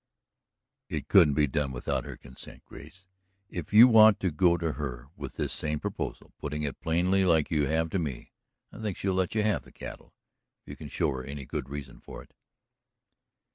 "It couldn't be done without her consent, Grace. If you want to go to her with this same proposal, putting it plainly like you have to me, I think she'll let you have the cattle, if you can show her any good reason for it."